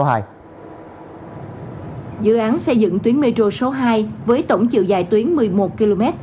dự án xây dựng tuyến metro số hai với tổng chiều dài tuyến một mươi một km